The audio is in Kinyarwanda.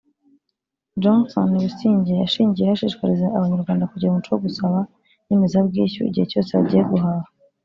Johnson Busingye yashingiyeho ashishikariza Abanyarwanda kugira umuco wo gusaba inyemezabwishyu igihe cyose bagiye guhaha